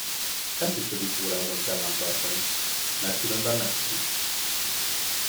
Ezt is rövid pórázon kell ám tartani, mert különben megszökik.